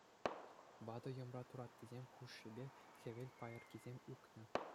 Ватӑ йӑмра тураттисем хушшипе хӗвел пайӑркисем ӳкнӗ.